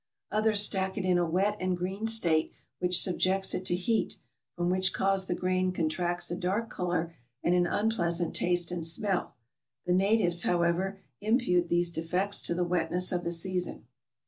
Others stack it in a wet and green state, which subjects it to heat, from which cause the grain contracts a dark color and an unpleasant taste and smell. The natives, however, impute these defects to the wetness of the season.